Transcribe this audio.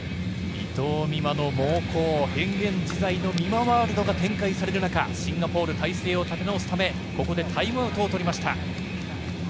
伊藤美誠の猛攻変幻自在な美誠ワールドが展開される中、シンガポール体勢を立て直すためここでタイムアウトをとりました。